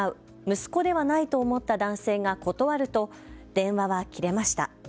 息子ではないと思った男性が断ると電話は切れました。